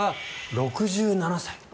６７歳。